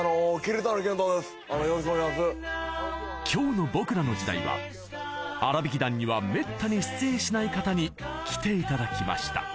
今日の「ボクらの時代」はあらびき団にはめったに出演しない方に来ていただきました